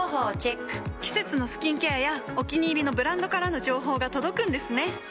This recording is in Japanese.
季節のスキンケアやお気に入りのブランドからの情報が届くんですね。